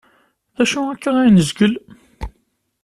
D acu akka ay nezgel?